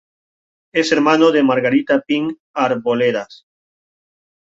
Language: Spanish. Es hermano de Margarita Pin Arboledas.